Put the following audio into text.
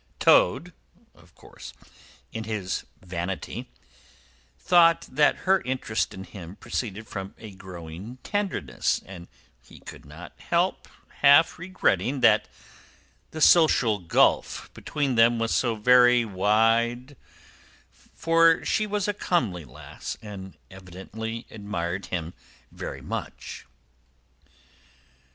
Toad, of course, in his vanity, thought that her interest in him proceeded from a growing tenderness; and he could not help half regretting that the social gulf between them was so very wide, for she was a comely lass, and evidently admired him very much.